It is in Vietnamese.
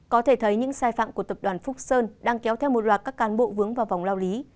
có thể thấy những sai phạm của tập đoàn phúc sơn đang kéo theo một loạt các cán bộ vướng vào vòng lao lý